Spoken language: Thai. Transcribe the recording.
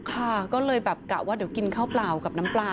ค่ะก็เลยแบบกะว่าเดี๋ยวกินข้าวเปล่ากับน้ำปลา